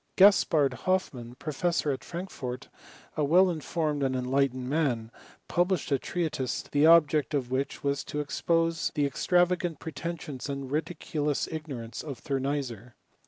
Gaspard Hoffmann, professor at Frankfort, ft well informed and enlightened man, published a treatise, the object of which was to expose the extra vagant pretensions and ridiculous ignorance of Thur neysser.